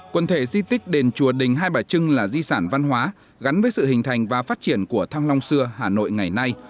quần thể di tích đền chùa đình hai bà trưng là di sản văn hóa gắn với sự hình thành và phát triển của thăng long xưa hà nội ngày nay